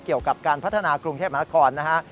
เกี่ยวกับการพัฒนากรุงเทพมหานครนะฮะ